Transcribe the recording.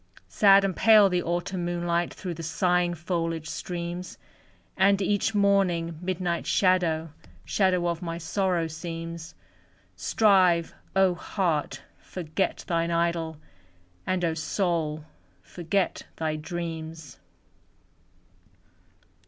Sad and pale the Autumn moonlight Through the sighing foliage streams; And each morning, midnight shadow, Shadow of my sorrow seems; Strive, O heart, forget thine idol! And, O soul, forget thy dreams!